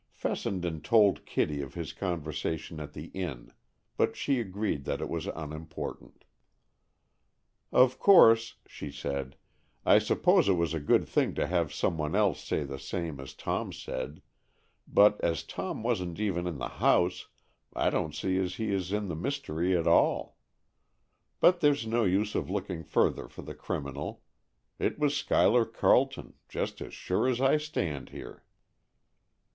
Fessenden told Kitty of his conversation at the inn, but she agreed that it was unimportant. "Of course," she said, "I suppose it was a good thing to have some one else say the same as Tom said, but as Tom wasn't even in the house, I don't see as he is in the mystery at all. But there's no use of looking further for the criminal. It was Schuyler Carleton, just as sure as I stand here."